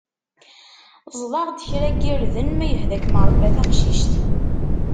Ezḍ-aɣ-d kra n yirden ma yehda-kem Rebbi a taqcict.